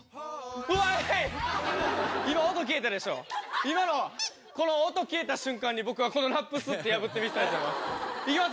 ウェイ、今、音消えたでしょ、今のこの音消えた瞬間に僕はこのラップ吸って、破ってみせたいと思います。